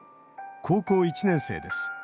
高校１年生です。